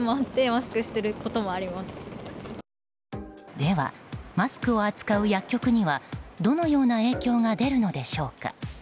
では、マスクを扱う薬局にはどのような影響が出るのでしょうか。